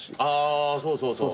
あそうそうそう。